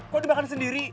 kau sudah makan sendiri